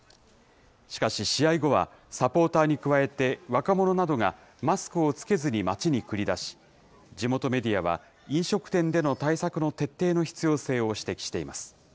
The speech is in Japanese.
しかし、試合後はサポーターに加えて、若者などがマスクを着けずに町に繰り出し、地元メディアは、飲食店での対策の徹底を必要性を指摘しています。